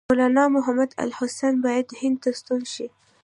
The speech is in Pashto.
مولنا محمودالحسن باید هند ته ستون شي.